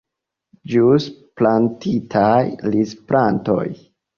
Ĵus plantitaj rizplantoj.